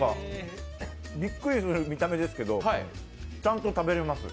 びっくりする見た目ですけどちゃんと食べれます。